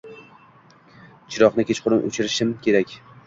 — Chiroqni kechqurun o‘chirishim kerak.